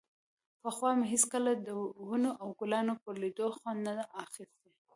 پخوا مې هېڅکله د ونو او ګلانو پر ليدو خوند نه و اخيستى.